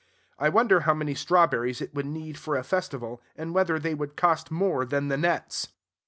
I wonder how many strawberries it would need for a festival and whether they would cost more than the nets.